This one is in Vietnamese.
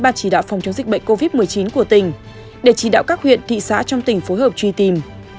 ban chỉ đạo phòng chống dịch bệnh covid một mươi chín của tỉnh để chỉ đạo các huyện thị xã trong tỉnh phối hợp truy tìm